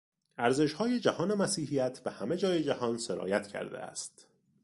ارزشهای جهان مسیحیت به همه جای جهان سرایت کرده است.